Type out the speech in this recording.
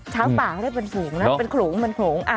ช้าป่าเขาได้เป็นฝูงนะเป็นโขลง